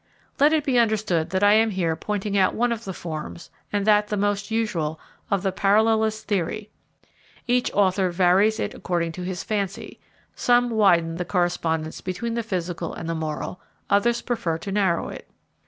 Let it be understood that I am here pointing out one of the forms, and that the most usual, of the parallelist theory. Each author varies it according to his fancy; some widen the correspondence between the physical and the moral, others prefer to narrow it.